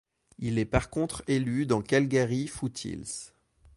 Il est par contre élu dans Calgary-Foothills.